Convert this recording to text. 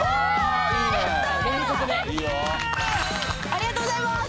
ありがとうございます